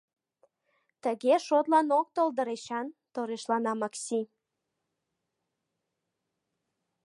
— Тыге шотлан ок тол дыр, Эчан, — торешлана Макси.